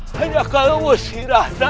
hanya kalau usir aja